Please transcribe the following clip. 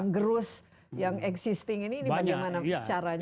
gerus yang existing ini bagaimana caranya